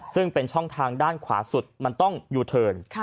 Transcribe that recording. ซึ่งเป็นช่องทางด้านขวาสุดมันต้องยูเทิร์น